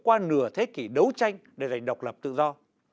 qua nửa thế kỷ đấu tranh để giành độc lập tự do